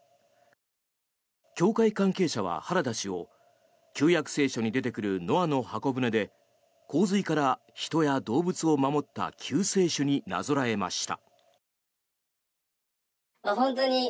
教会関係者は原田氏を旧約聖書に出てくるノアの方舟で洪水から人や動物を守った救世主になぞらえました。